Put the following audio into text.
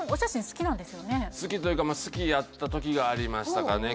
好きというか好きやった時がありましたかね